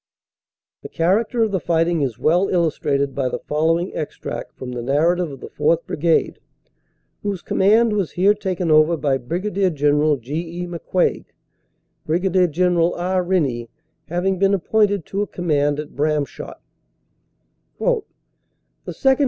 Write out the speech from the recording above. The character of the fighting is well illustrated by the following extract from the narrative of the 4th. Brigade, whose command was here taken over by Brig. General G. E. McCuaig, Brig. General R. Rennie having been appointed to a command at Bramshott: "The 2nd.